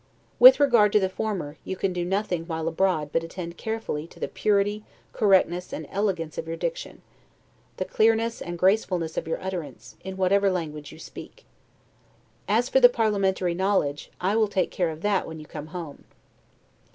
With regard to the former, you can do nothing while abroad but attend carefully to the purity, correctness, and elegance of your diction; the clearness and gracefulness of your utterance, in whatever language you speak. As for the parliamentary knowledge, I will take care of that when you come home.